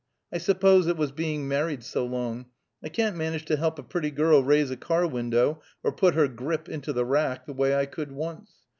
I suppose it was being married so long. I can't manage to help a pretty girl raise a car window, or put her grip into the rack, the way I could once.